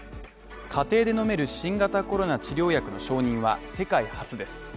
家庭で飲める新型コロナ治療薬の承認は世界初です。